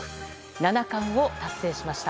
七冠を達成しました。